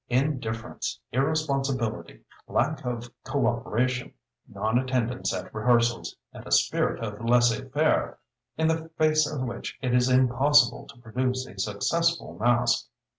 Indifference, irresponsibility, lack of coöperation, non attendance at rehearsals, and a spirit of laissez faire in the face of which it is impossible to produce a successful masque.